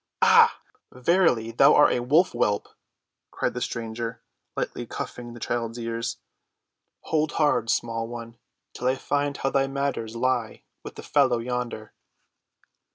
"Ouf! verily thou art a wolf‐whelp!" cried the stranger, lightly cuffing the child's ears. "Hold hard, small one, till I find how thy matters lie with the fellow yonder."